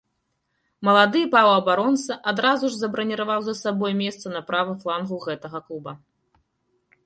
Малады паўабаронца адразу ж забраніраваў за сабой месца на правым флангу гэтага клуба.